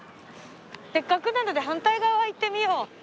せっかくなので反対側行ってみよう。